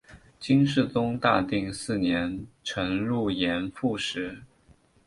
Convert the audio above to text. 金世宗大定四年辰渌盐副使。